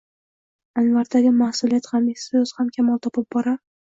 Anvardagi ma’suliyat ham, iste’dod ham kamol topib borar